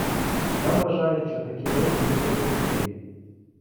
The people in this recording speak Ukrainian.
Я вважаю, що такі речі неприпустимі.